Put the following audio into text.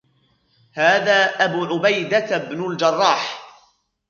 هَذَا أَبُو عُبَيْدَةَ بْنُ الْجَرَّاحِ